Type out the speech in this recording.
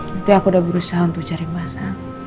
nanti aku udah berusaha untuk cari masa